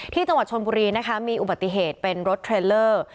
ที่จังหวัดชนบุรีนะคะมีอุบัติเหตุเป็นรถเทรลเลอร์